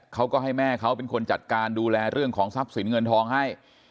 เขาก็ให้แม่เขาเป็นคนจัดการดูแลเรื่องของทรัพย์สินเงินทองให้